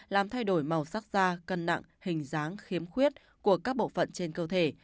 làm thay đổi màu sắc da cân nặng hình dáng khiếm khuyết của các bộ phận trên cơ thể